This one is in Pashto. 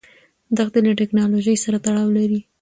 دښتې له تکنالوژۍ سره تړاو لري.